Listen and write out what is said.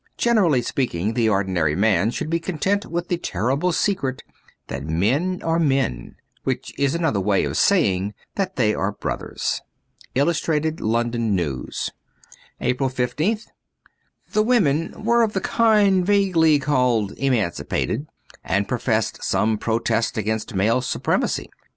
Generally speaking, the ordinary man should be content with the terrible secret that men are men — which is another way of saying that they are brothers. * Illustrated London News' 114 APRIL 15th THE women were of the kind vaguely called emancipated, and professed some protest against male supremacy.